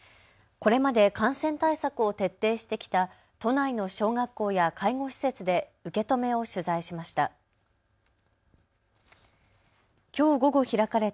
これまで感染対策を徹底してきた都内の小学校や介護施設で受け止めを取材しました。